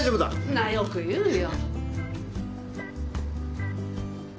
なっよく言うよ。